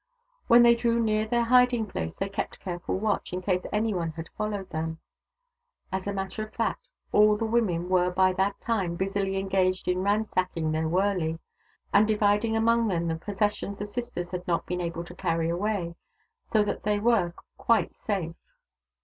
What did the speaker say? When they drew near their hiding place they kept careful watch, in case anyone had followed them. As a matter of fact, all the women were by that time busily engaged in ransacking their wurley, and dividing among them the possessions the sisters had not been able to carry away ; so that they were quite safe.